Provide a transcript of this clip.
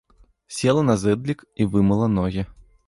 Села на зэдлік і вымыла ногі.